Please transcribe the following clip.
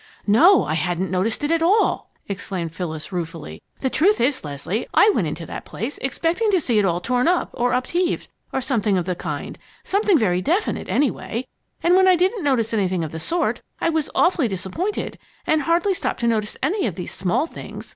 "No, I hadn't noticed it at all!" exclaimed Phyllis, ruefully. "The truth is, Leslie, I went into that place expecting to see it all torn up or upheaved or something of the kind something very definite, anyway. And when I didn't find anything of the sort, I was awfully disappointed and hardly stopped to notice any of these small things.